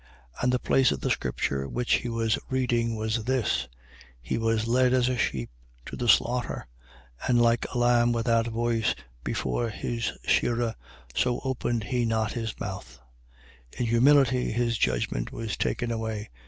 8:32. And the place of the scripture which he was reading was this: He was led as a sheep to the slaughter: and like a lamb without voice before his shearer, so openeth he not his mouth. 8:33. In humility his judgment was taken away.